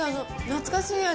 懐かしい味。